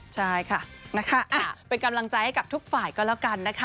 ใช่ค่ะนะคะเป็นกำลังใจให้กับทุกฝ่ายก็แล้วกันนะคะ